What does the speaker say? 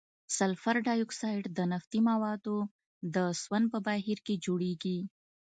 سلفر ډای اکساید د نفتي موادو د سون په بهیر کې جوړیږي.